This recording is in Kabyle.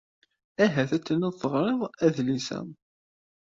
Ahat ad tiliḍ teɣriḍ adlis-a.